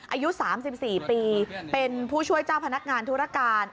อายุ๓๔ปีเป็นผู้ช่วยเจ้าพนักงานธุรการ